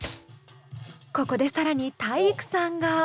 ここで更に体育さんが。